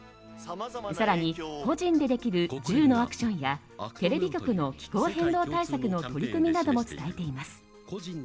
更に、個人でできる１０のアクションやテレビ局の気候変動対策の取り組みなども伝えています。